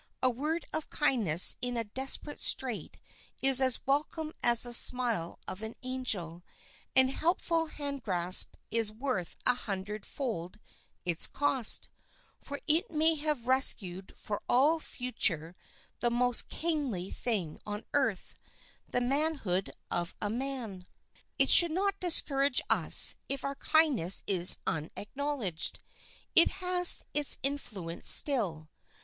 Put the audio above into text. A word of kindness in a desperate strait is as welcome as the smile of an angel, and a helpful hand grasp is worth a hundred fold its cost, for it may have rescued for all future the most kingly thing on earth—the manhood of a man. It should not discourage us if our kindness is unacknowledged; it has its influence still.